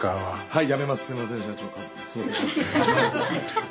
はい！